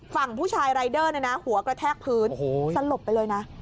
ฝั่งผู้ชายรายเดอร์เนี่ยนะหัวกระแทกพื้นสลบไปเลยนะ